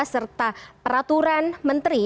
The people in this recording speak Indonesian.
serta peraturan menteri